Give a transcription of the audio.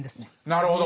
なるほど。